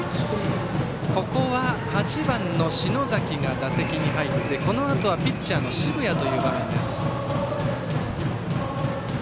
ここは、８番の篠崎が打席に入ってこのあとはピッチャーの澁谷という場面です。